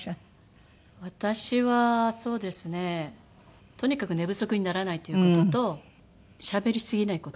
私はそうですねとにかく寝不足にならないという事としゃべりすぎない事かな。